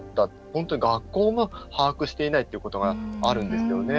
本当に学校が把握していないってことがあるんですよね。